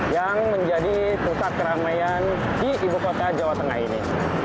yang menjadi pusat keramaian di ibukota jawa tengah ini